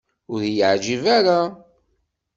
Ur iyi-yeɛǧib ara.